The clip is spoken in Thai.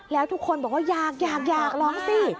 แล้วทุกคนบอกว่าอยากร้องสิ